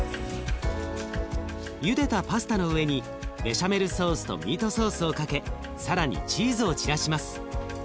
ゆでたパスタの上にベシャメルソースとミートソースをかけ更にチーズを散らします。